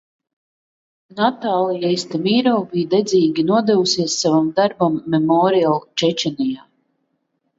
Natalia Estemirova bija dedzīgi nodevusies savam darbam Memorial Čečenijā.